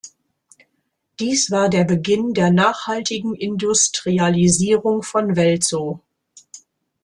Dies war der Beginn der nachhaltigen Industrialisierung von Welzow.